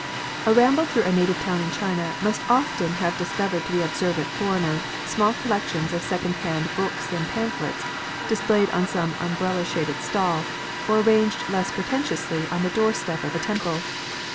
A RAMBLE through a native town in China must often have discovered to the observant foreigner small col lections of second hand books and pamphlets displayed on some umbrella shaded stall, or arranged less pre tentiously on the door step of a temple.